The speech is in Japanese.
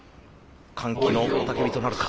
歓喜の雄たけびとなるか。